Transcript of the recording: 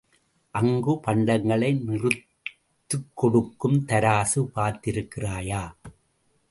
அங்குப் பண்டங்களை நிறுத்துக் கொடுக்கும் தராசு பார்த்திருக்கிறாயா?